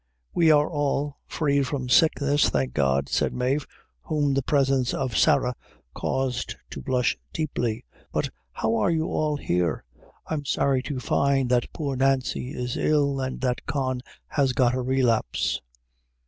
"We are all free from sickness, thank God," said Mave, whom the presence of Sarah caused to blush deeply; "but how are you all here? I am sorry to find that poor Nancy is ill and that Con has got a relapse."